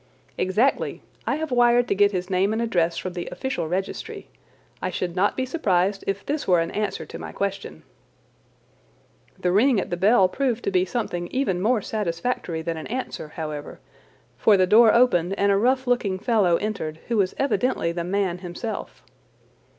"Exactly. I have wired to get his name and address from the Official Registry. I should not be surprised if this were an answer to my question." The ring at the bell proved to be something even more satisfactory than an answer, however, for the door opened and a rough looking fellow entered who was evidently the man himself.